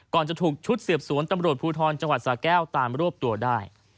จะถูกชุดสืบสวนตำรวจภูทรจังหวัดสาแก้วตามรวบตัวได้